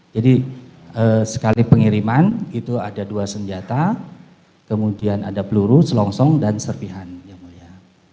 jadi sekali pengiriman itu ada dua senjata kemudian ada peluru selongsong dan serpihan yang mulia